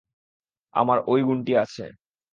আমার ঐ গুণটি আছে।